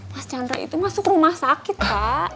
mas chandra itu masuk rumah sakit kak